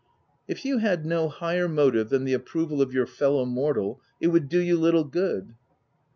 264 THE TENANT " If you had no higher motive than the ap proval of your fellow mortal, it would do you little good."